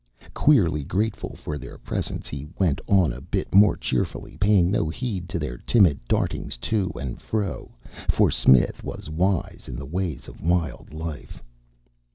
Queerly grateful for their presence, he went on a bit more cheerfully, paying no heed to their timid dartings to and fro, for Smith was wise in the ways of wild life.